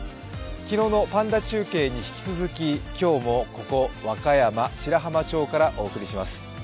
昨日のパンダ中継に引き続き、今日もここ、和歌山白浜町からお伝えします。